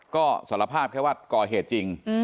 ก็สารภาพแค่ว่าก่อเหตุจริง